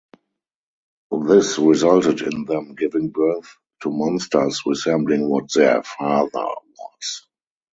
This resulted in them giving birth to monsters resembling what their "father" was.